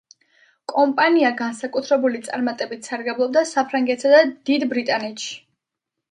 კომპანია განსაკუთრებული წარმატებით სარგებლობდა საფრანგეთსა და დიდი ბრიტანეთში.